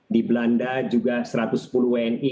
di belanda juga satu ratus sepuluh wni